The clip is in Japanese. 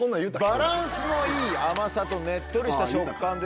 バランスのいい甘さとねっとりした食感で。